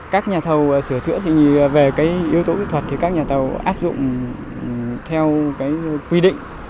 các nhà thầu sửa chữa về yếu tố kỹ thuật thì các nhà thầu áp dụng theo quy định